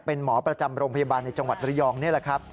เป็นหมอประจำโรงพยาบาลในจังหวัดระยองนี่แหละครับ